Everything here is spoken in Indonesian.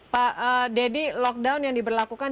pak deddy lockdown yang diberlakukan